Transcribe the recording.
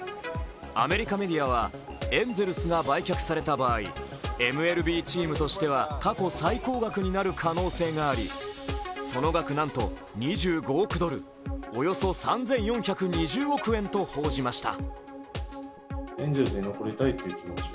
アメリカメディアは、エンゼルスが売却された場合、ＭＬＢチームとしては過去最高額になる可能性がありその額、なんと２５億ドル、およそ３４２０億円と報じました。